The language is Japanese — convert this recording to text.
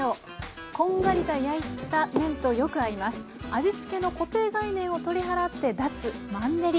味付けの固定概念を取り払って脱マンネリ。